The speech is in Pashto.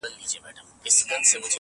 د سوال یاري ده اوس به دړي وړي سینه.!